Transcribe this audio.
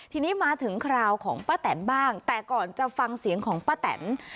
ทีนี้มาถึงคราวของป้าแตนบ้างแต่ก่อนจะฟังเสียงของป้าแตน